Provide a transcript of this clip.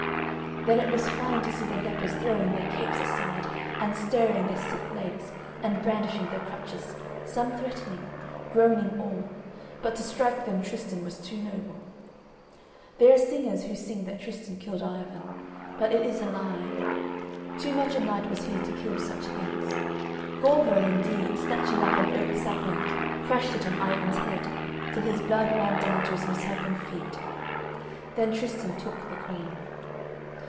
Then it was fine to see the lepers throwing their capes aside, and stirring their sick legs, and brandishing their crutches, some threatening: groaning all; but to strike them Tristan was too noble. There are singers who sing that Tristan killed Ivan, but it is a lie. Too much a knight was he to kill such things. Gorvenal indeed, snatching up an oak sapling, crashed it on Ivan's head till his blood ran down to his misshapen feet. Then Tristan took the Queen.